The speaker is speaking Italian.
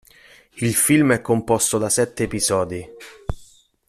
Il film è composto da sette episodi.